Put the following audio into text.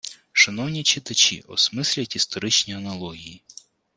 Шановні читачі, осмисліть історичні аналогії